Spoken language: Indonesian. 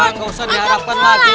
nggak usah diharapkan lagi